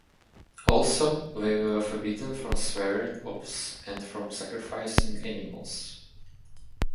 Also, they were forbidden from swearing oaths and from sacrificing animals.